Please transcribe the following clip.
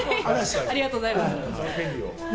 ありがとうございます。